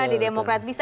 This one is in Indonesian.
di demokrat bisa